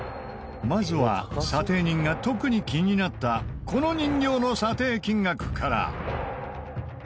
まずは査定人が特に気になったこの人形の査定金額から。